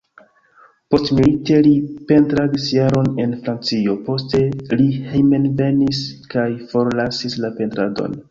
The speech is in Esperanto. Postmilite li pentradis jaron en Francio, poste li hejmenvenis kaj forlasis la pentradon.